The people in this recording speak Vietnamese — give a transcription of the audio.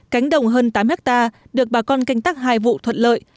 cánh đồng hơn tám ha được bà con canh tắc hai vụ thuận lợi